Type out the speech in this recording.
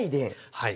はい。